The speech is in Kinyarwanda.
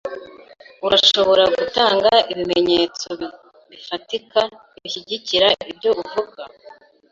Urashobora gutanga ibimenyetso bifatika bishyigikira ibyo uvuga?